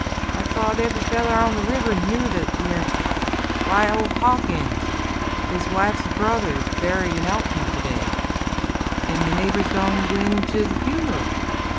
I thote ev'ry feller on th' river knew thet yere why, ol' Hawkins, his wife's brother's buried in Alton to day, 'n' th' neighbors done gwine t' th' fun'ral.